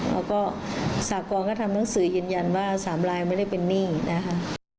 แล้วก็สากรก็ทำหนังสือยืนยันว่า๓ลายไม่ได้เป็นหนี้นะคะ